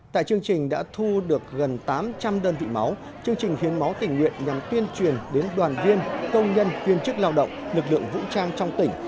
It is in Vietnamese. tại chương trình đã thu được gần tám trăm linh đơn vị máu chương trình hiến máu tình nguyện nhằm tuyên truyền đến đoàn viên công nhân viên chức lao động lực lượng vũ trang trong tỉnh